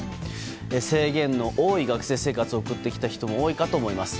制限の多い学生生活を送ってきた人も多いかと思います。